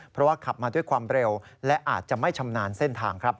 เพราะว่าขับมาด้วยความเร็วและอาจจะไม่ชำนาญเส้นทางครับ